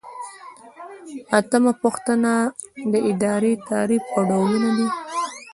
اتمه پوښتنه د ادارې تعریف او ډولونه دي.